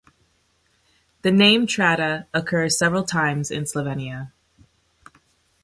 The name "Trata" occurs several times in Slovenia.